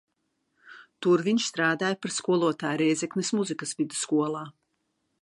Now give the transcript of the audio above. Tur viņš strādāja par skolotāju Rēzeknes mūzikas vidusskolā.